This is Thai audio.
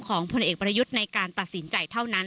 ผลเอกประยุทธ์ในการตัดสินใจเท่านั้น